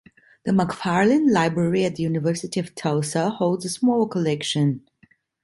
The McFarlin Library at the University of Tulsa, holds a smaller collection.